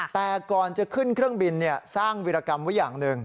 แต่ก่อนจะขึ้นเครื่องบินสร้างวิรากรรมไว้อย่างหนึ่ง